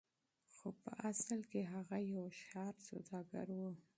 خو په اصل کې هغه يو هوښيار سوداګر و.